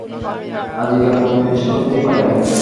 আজিকার মতো নিষ্কৃতি পাইলেন।